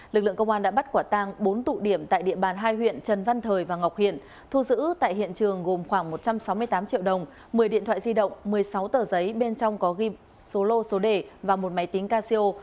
lực lượng công an đã bắt quả tang bốn tụ điểm tại địa bàn hai huyện trần văn thời và ngọc hiện thu giữ tại hiện trường gồm khoảng một trăm sáu mươi tám triệu đồng một mươi điện thoại di động một mươi sáu tờ giấy bên trong có ghim số lô số đề và một máy tính casio